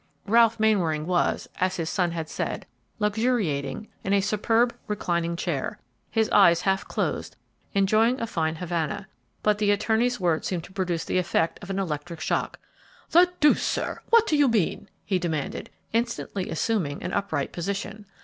Ralph Mainwaring was, as his son had said, "luxuriating" in a superb reclining chair, his eyes half closed, enjoying a fine Havana, but the attorney's words seemed to produce the effect of an electric shock. "The deuce, sir! what do you mean?" he demanded, instantly assuming an upright position.